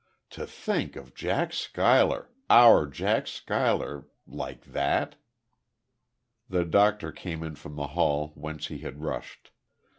"To think of Jack Schuyler our Jack Schuyler! like that!" The doctor came in from the hall whence he had rushed.